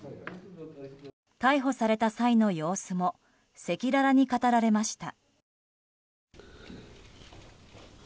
逮捕された際の様子も赤裸々に語られました。